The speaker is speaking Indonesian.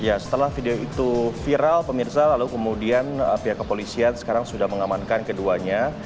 ya setelah video itu viral pemirsa lalu kemudian pihak kepolisian sekarang sudah mengamankan keduanya